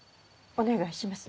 お願いします！